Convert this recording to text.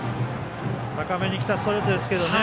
高めに来たストレートですけどね。